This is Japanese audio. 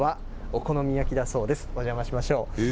お邪魔しましょう。